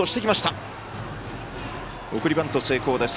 送りバント成功です。